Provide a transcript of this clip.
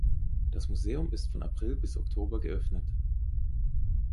Das Museum ist von April bis Oktober geöffnet.